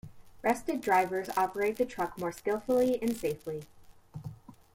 Rested drivers operate the truck more skillfully and safely.